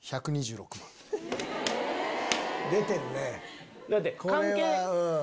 出てるね。